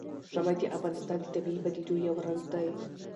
ژمی د افغانستان د طبیعي پدیدو یو رنګ دی.